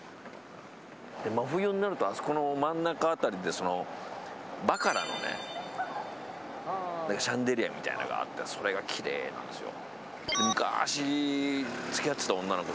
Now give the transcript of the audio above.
真冬になるとあそこの真ん中辺りでバカラのシャンデリアみたいなのがあってそれがきれいなんですよ。